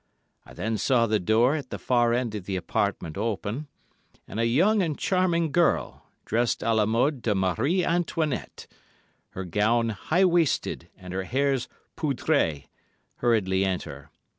I then saw the door at the far end of the apartment open, and a young and charming girl, dressed à la mode de Marie Antoinette, her gown high waisted and her hair poudré, hurriedly enter.